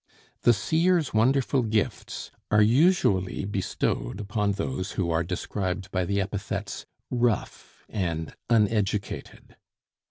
The seer's wonderful gifts are usually bestowed upon those who are described by the epithets rough and uneducated.